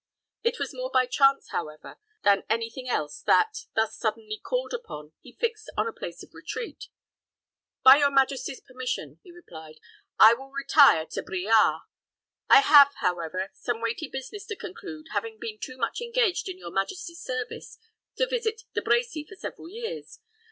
It was more by chance, however, than any thing else that, thus suddenly called upon, he fixed on a place of retreat. "By your majesty's permission," he replied, "I will retire to Briare. I have, however, some weighty business to conclude, having been too much engaged in your majesty's service to visit De Brecy for several years.